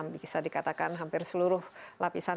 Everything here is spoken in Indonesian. bisa dikatakan hampir seluruh lapisan